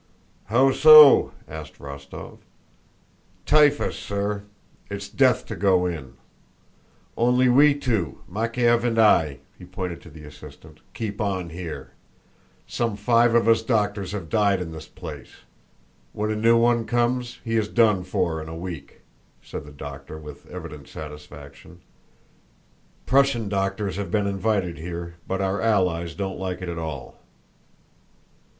"How so?" asked Rostóv. "Typhus, sir. It's death to go in. Only we two, Makéev and I" (he pointed to the assistant), "keep on here. Some five of us doctors have died in this place.... When a new one comes he is done for in a week," said the doctor with evident satisfaction. "Prussian doctors have been invited here, but our allies don't like it at all."